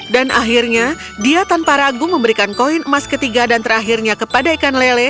dan akhirnya dia tanpa ragu memberikan koin emas ketiga dan terakhirnya kepada ikan lele